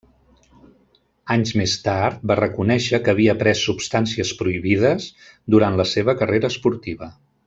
Anys més tard va reconèixer que havia pres substàncies prohibides durant la seva carrera esportiva.